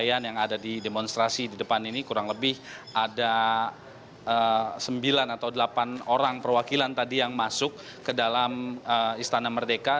yang ada di demonstrasi di depan ini kurang lebih ada sembilan atau delapan orang perwakilan tadi yang masuk ke dalam istana merdeka